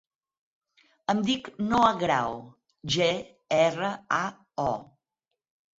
Em dic Noah Grao: ge, erra, a, o.